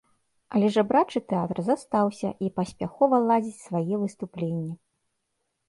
Але жабрачы тэатр застаўся і паспяхова ладзіць свае выступленні.